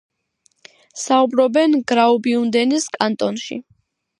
საუბრობენ გრაუბიუნდენის კანტონში.